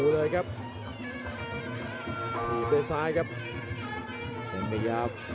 นักล้ามี่นัดร้าย